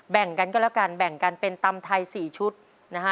แบ่งกันก็แล้วกันแบ่งกันเป็นตำไทย๔ชุดนะฮะ